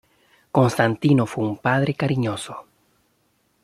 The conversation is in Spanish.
Constantino fue un padre cariñoso.